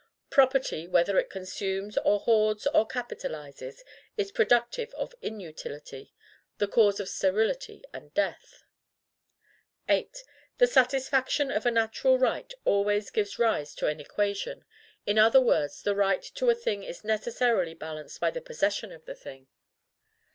Property, whether it consumes or hoards or capitalizes, is productive of INUTILITY, the cause of sterility and death. 8. The satisfaction of a natural right always gives rise to an equation; in other words, the right to a thing is necessarily balanced by the possession of the thing.